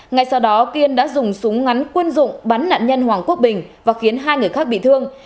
ngay sau đó kiên đã dùng súng ngắn quân dụng bắn nạn nhân hoàng quốc bình và khiến hai người khác bị thương